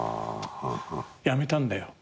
やめたんだよ。